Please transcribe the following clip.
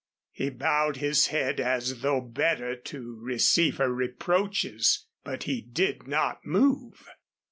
He bowed his head as though better to receive her reproaches, but he did not move.